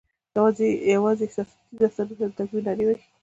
یوازي احساساتي داستانونو ته د تکبیر نارې وهي